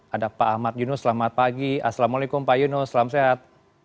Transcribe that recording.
ada pak ahmad yunus selamat pagi assalamualaikum pak yunus selamat sehat